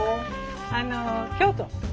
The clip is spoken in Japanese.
あの京都！